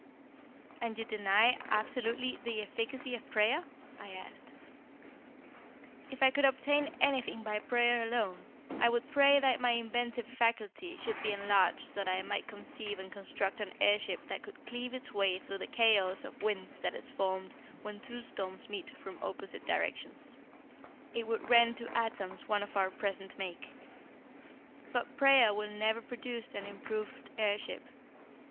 "And you deny absolutely the efficacy of prayer?" I asked. "If I could obtain anything by prayer alone, I would pray that my inventive faculty should be enlarged so that I might conceive and construct an air ship that could cleave its way through that chaos of winds that is formed when two storms meet from opposite directions. It would rend to atoms one of our present make. But prayer will never produce an improved air ship.